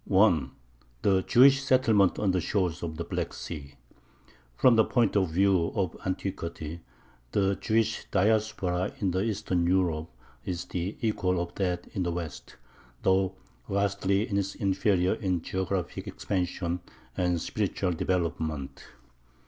THE JEWISH SETTLEMENTS ON THE SHORES OF THE BLACK SEA From the point of view of antiquity the Jewish Diaspora in the east of Europe is the equal of that in the west, though vastly its inferior in geographic expansion and spiritual development.